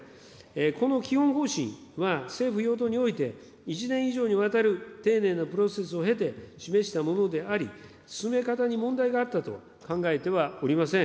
この基本方針は、政府・与党において、１年以上にわたる丁寧なプロセスを経て示したものであり、進め方に問題があったと考えてはおりません。